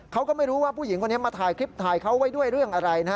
เขาก็ไม่รู้ว่าผู้หญิงคนนี้มาถ่ายคลิปถ่ายเขาไว้ด้วยเรื่องอะไรนะฮะ